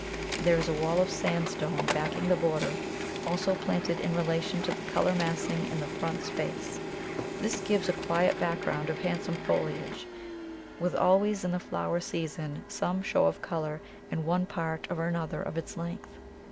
There is a wall of sandstone backing the border, also planted in relation to the colour massing in the front space. This gives a quiet background of handsome foliage, with always in the flower season some show of colour in one part or another of its length.